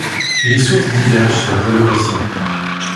Les sources divergent sur les allocations.